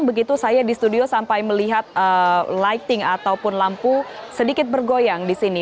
begitu saya di studio sampai melihat lighting ataupun lampu sedikit bergoyang di sini